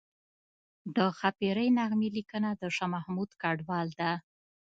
د ښاپیرۍ نغمې لیکنه د شاه محمود کډوال ده